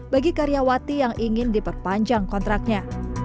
bagi karyawati yang ingin diperpanjang kontraknya